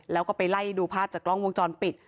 แล้วก็ไปไล่ดูภาพจากกล้องวงจรปิด